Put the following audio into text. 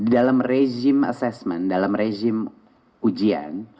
di dalam rezim assessment dalam rezim ujian